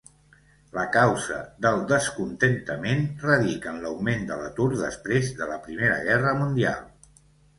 La causa del descontentament radica en l'augment de l'atur després de la primera guerra mundial.